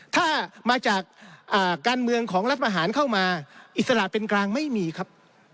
ถ้ามาจากการเมืองของรัฐประหารเข้ามาอิสระเป็นกลางไม่มีครับ